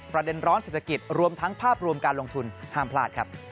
ประเด็นร้อนเศรษฐกิจรวมทั้งภาพรวมการลงทุนห้ามพลาดครับ